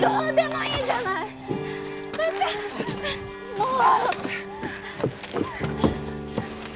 もう！